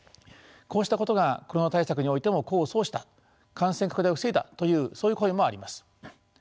こうしたことがコロナ対策においても功を奏した感染拡大を防いだというそういう声もあります。